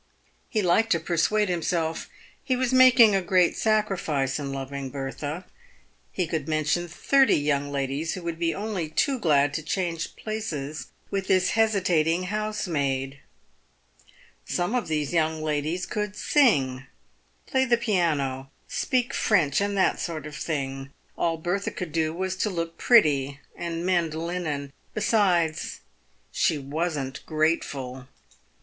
He liked to persuade him self he was making a great sacrifice in loving Bertha. He could mention thirty young ladies who would be only too glad to change places with this hesitating housemaid. Some of these young ladies PAVED WITH GOLD. 297 could sing, play the piano, speak French, and that sort of thing. All Bertha could do was to look pretty, and mend linen. Besides, she wasn't grateful.